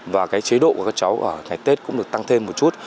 và cái chế độ của các cháu ở ngày tết cũng được tăng thêm một chút